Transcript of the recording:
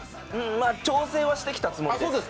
調整はしてきたつもりです。